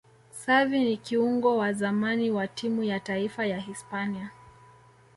xavi ni kiungo wa zamani ya timu ya taifa ya hispania